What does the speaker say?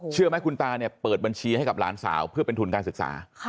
เชื่อไหมคุณตาเนี่ยเปิดบัญชีให้กับหลานสาวเพื่อเป็นทุนการศึกษา